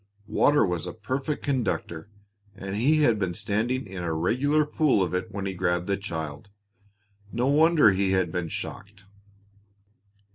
Water was a perfect conductor, and he had been standing in a regular pool of it when he grabbed the child. No wonder he had been shocked.